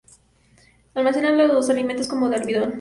Almacena los alimentos como el almidón.